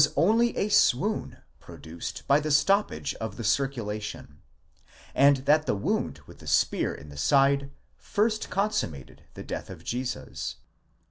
only a swoon produced by the stoppage of the circulation, and that the wound: with the spear in the side first consummated the death of Jesus.